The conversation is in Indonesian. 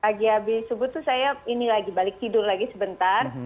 kalau pagi habis sebut tuh saya ini lagi balik tidur lagi sebentar